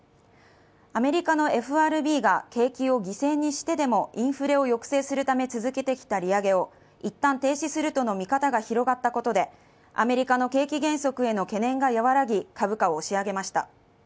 アメリカのＦＲＢが景気を犠牲にしてでもインフレを抑制するため続けてきた利上げを一旦停止するとの見方が広がったことでアメリカの景気減速への懸念が和らぎ、株価を押し上げました。